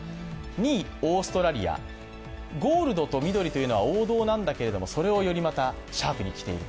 ２位、オーストラリア、ゴールドと緑というのは王道なんだけれども、それをよりまたシャープにしている。